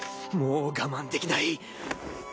もう我慢できない！